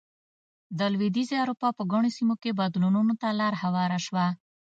د لوېدیځې اروپا په ګڼو سیمو کې بدلونونو ته لار هواره شوه.